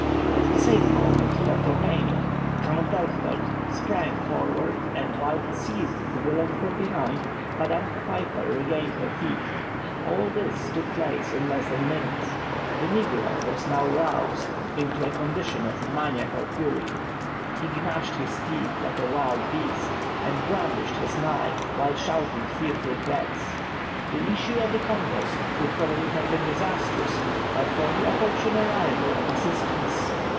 At the same moment, her companion, Count Berchthold, sprang forward, and while he seized the villain from behind, Madame Pfeiffer regained her feet. All this took place in less than a minute. The negro was now roused into a condition of maniacal fury; he gnashed his teeth like a wild beast, and brandished his knife, while shouting fearful threats. The issue of the contest would probably have been disastrous, but for the opportune arrival of assistance.